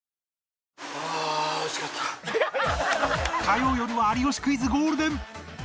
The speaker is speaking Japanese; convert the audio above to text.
火曜よるは『有吉クイズ』ゴールデン